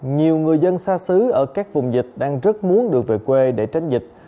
nhiều người dân xa xứ ở các vùng dịch đang rất muốn được về quê để tránh dịch